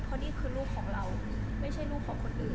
เพราะนี่คือลูกของเราไม่ใช่ลูกของคนอื่น